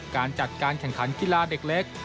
การจัดการแข่งขันกีฬาเด็กเล็ก